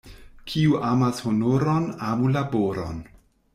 Kiu amas honoron, amu laboron.